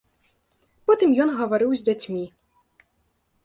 Потым ён гаварыў з дзяцьмі.